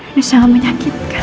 ini sangat menyakitkan